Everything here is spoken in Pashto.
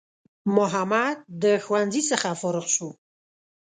محمد د ښوونځی څخه فارغ سو